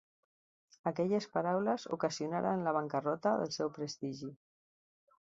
Aquelles paraules ocasionaren la bancarrota del seu prestigi.